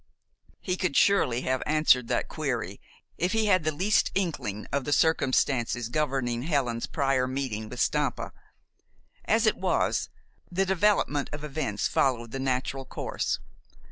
He could surely have answered that query if he had the least inkling of the circumstances governing Helen's prior meeting with Stampa. As it was, the development of events followed the natural course.